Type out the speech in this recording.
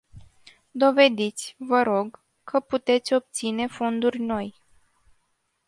Dovediți, vă rog, că puteți obține fonduri noi.